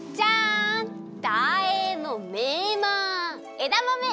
えだまめ！